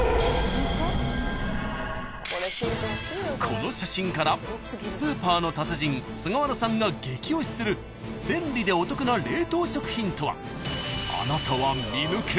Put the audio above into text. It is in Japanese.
［この写真からスーパーの達人菅原さんが激押しする便利でお得な冷凍食品とは］